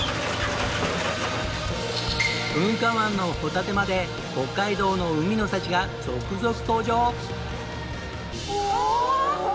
噴火湾のホタテまで北海道の海の幸が続々登場！